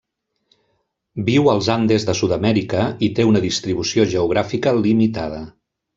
Viu als Andes de Sud-amèrica i té una distribució geogràfica limitada.